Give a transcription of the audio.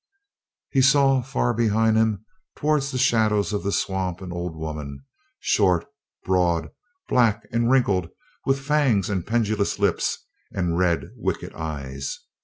He saw far behind him, toward the shadows of the swamp, an old woman short, broad, black and wrinkled, with fangs and pendulous lips and red, wicked eyes.